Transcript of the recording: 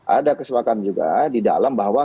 ada kesepakatan juga di dalam bahwa